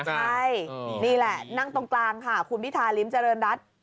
ใช่นี่แหละนั่งตรงกลางค่ะคุณพิธาริมเจริญรัฐ